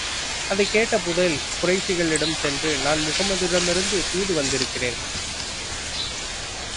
அதைக் கேட்ட புதைல், குறைஷிகளிடம் சென்று நான் முஹம்மதிடமிருந்து தூது வந்திருக்கிறேன்.